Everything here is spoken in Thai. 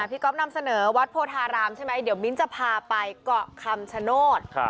ก๊อฟนำเสนอวัดโพธารามใช่ไหมเดี๋ยวมิ้นจะพาไปเกาะคำชโนธ